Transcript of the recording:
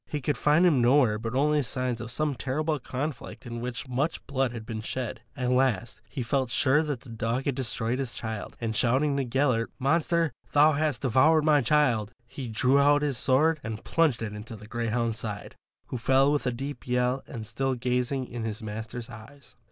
He could find him nowhere but only signs of some terrible conflict in which much blood had been shed. At last he felt sure the dog had destroyed his child, and shouting to Gellert, "Monster, thou hast devoured my child," he drew out his sword and plunged it in the greyhound's side, who fell with a deep yell and still gazing in his master's eyes.